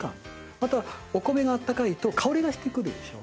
またお米があったかいと香りがしてくるでしょ。